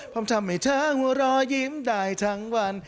พร้อมทำให้เธอหัวรอยิ้มได้ทั้งวัน